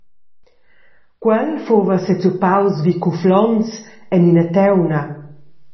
Quel fuva sezuppaus vi Cuflons en ina tauna.